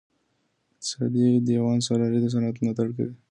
اقتصادي دیوان سالاري د صنعت ملاتړ کوي.